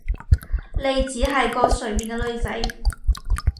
你只係個隨便嘅女仔